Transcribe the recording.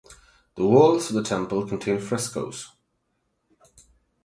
The walls of the temple contain frescos.